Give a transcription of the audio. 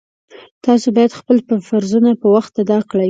تاسو باید خپل فرضونه په وخت ادا کړئ